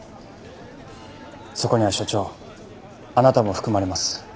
そこには署長あなたも含まれます。